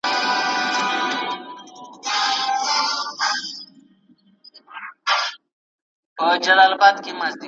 ¬ پر يوه باندي چي دوه سي، رڼا ورځ ئې تياره سي.